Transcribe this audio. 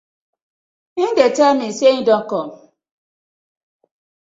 Him dey tey mi say im dey kom.